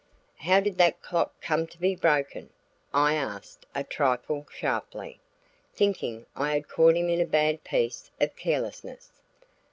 "How did that clock come to be broken?" I asked a trifle sharply, thinking I had caught him in a bad piece of carelessness.